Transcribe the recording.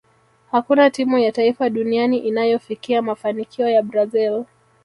hakuna timu ya taifa duniani inayofikia mafanikio ya brazil